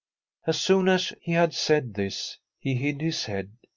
As soon as he bad said this he hid his head.